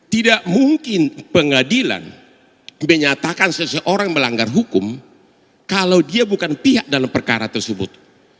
tidak mungkin pengadilan menyatakan seseorang melanggar hukum kalau dia bukan pihak dalam perkara tersebut